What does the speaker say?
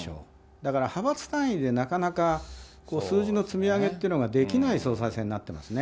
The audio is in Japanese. だから派閥単位でなかなか数字の積み上げっていうのができない総裁選になっていますね。